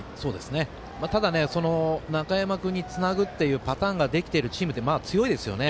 ただ、中山君につなぐっていうパターンができているチームって強いですよね。